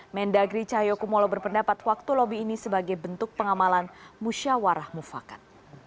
mendagri cahyokumolo berpendapat waktu lobby ini sebagai bentuk pengamalan musyawarah mufakat